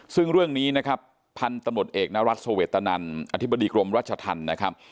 ซึ่งเรื่องนี้นะครับพันธุ์ตำรวจเอกนรัฐสเวตนันอธิบดีกรมรัชธรรมนะครับ